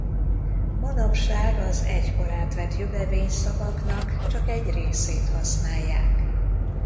Manapság az egykor átvett jövevényszavaknak csak egy részét használják.